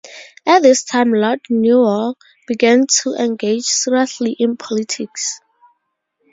At this time Lord Newall began to engage seriously in politics.